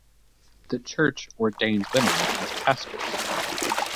The church ordains women as pastors.